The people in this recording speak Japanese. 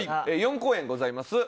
４公演ございます。